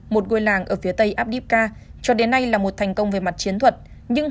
một ngôi làng ở phía tây abdybka cho đến nay là một thành công về mặt chiến thuật